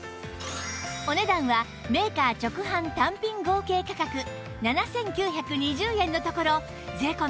お値段はメーカー直販単品合計価格７９２０円のところ税込